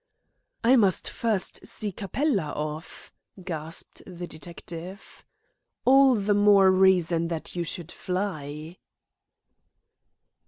"I must first see Capella off," gasped the detective. "All the more reason that you should fly."